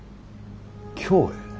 京へ。